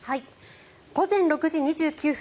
午前６時２９分